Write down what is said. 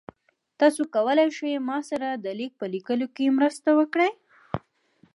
تاسو کولی شئ ما سره د لیک په لیکلو کې مرسته وکړئ؟